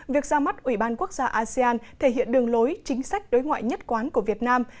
việc ra mắt ủy ban quốc gia asean thể hiện đường lối chính sách đối ngoại nhất quán của việt nam